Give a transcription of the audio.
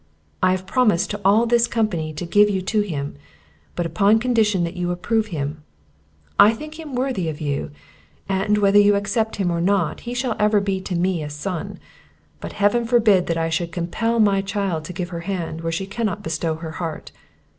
I have promised to all this company to give you to him; but upon condition that you approve him: I think him worthy of you; and, whether you accept him or not, he shall ever be to me a son; but Heaven forbid that I should compel my child to give her hand, where she cannot bestow her heart!